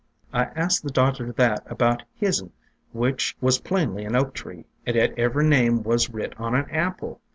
"I asked the doctor that about his'n, which was plainly an Oak tree, and yet ev'ry name was writ on an Apple.